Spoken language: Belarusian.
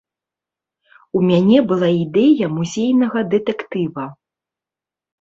У мяне была ідэя музейнага дэтэктыва.